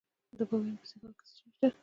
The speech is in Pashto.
د بامیان په سیغان کې څه شی شته؟